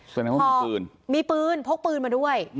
แสดงว่ามีปืนมีปืนพกปืนมาด้วย